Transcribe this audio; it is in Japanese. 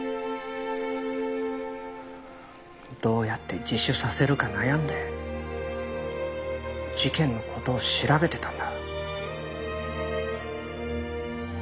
どうやって自首させるか悩んで事件の事を調べてたんだ。